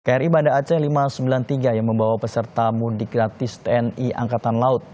kri banda aceh lima ratus sembilan puluh tiga yang membawa peserta mudik gratis tni angkatan laut